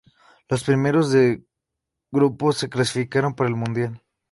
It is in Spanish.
Los primeros de grupo se clasificaron para el Mundial.